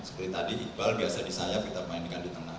seperti tadi iqbal biasa di sayap kita mainkan di tengah